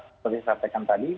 seperti sampaikan tadi